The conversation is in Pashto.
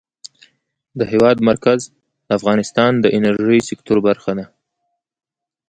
د هېواد مرکز د افغانستان د انرژۍ سکتور برخه ده.